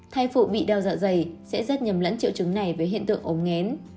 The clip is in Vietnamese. thai phụ bị đau dạ dày sẽ rất nhầm lẫn triệu chứng này với hiện tượng ốm ngén